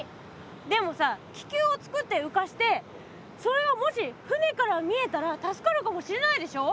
でもさ気球をつくって浮かしてそれがもし船から見えたら助かるかもしれないでしょ。